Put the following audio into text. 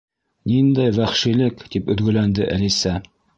—Ниндәй вәхшилек! —тип өҙгөләнде Әлисә.